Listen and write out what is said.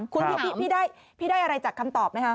ไม่ต้องคำถามพี่ได้อะไรจากคำตอบนะครับ